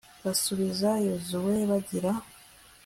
basubiza yozuwe, bagira